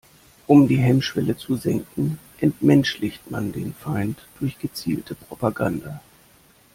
Um die Hemmschwelle zu senken, entmenschlicht man den Feind durch gezielte Propaganda.